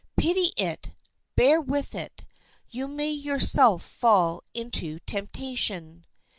Pity it, bear with it; you may yourself fall into temptation.